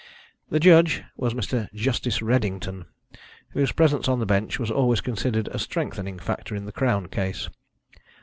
The judge was Mr. Justice Redington, whose presence on the bench was always considered a strengthening factor in the Crown case.